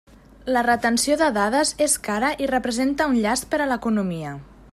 La retenció de dades és cara i representa un llast per a l'economia.